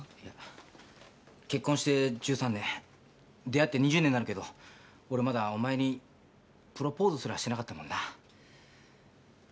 出会って２０年になるけど俺まだお前にプロポーズすらしてなかったもんな。